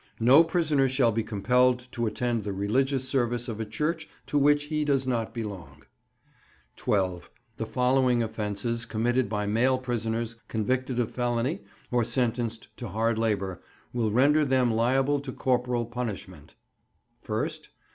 No prisoner shall be compelled to attend the religious service of a church to which he does not belong. 12. The following offences committed by male prisoners convicted of felony or sentenced to hard labour will render them liable to corporal punishment:— 1st.